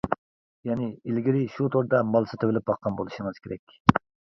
يەنى ئىلگىرى شۇ توردا مال سېتىۋېلىپ باققان بولۇشىڭىز كېرەك.